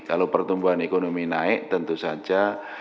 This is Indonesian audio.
kalau pertumbuhan ekonomi naik tentu saja